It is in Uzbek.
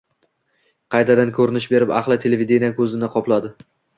– qaytadan ko‘rinish berib, ahli televideniye ko‘zini qopladi.